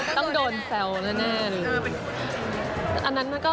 ต้องโดนแซวแน่หรือเป็นอันนั้นก็